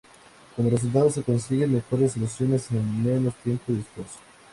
Como resultado se consiguen mejores soluciones en menos tiempo y esfuerzo.